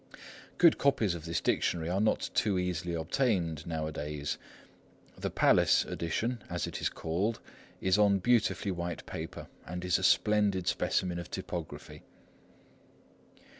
Good copies of this dictionary are not too easily obtained nowadays. The "Palace" edition, as it is called, is on beautifully white paper, and is a splendid specimen of typography.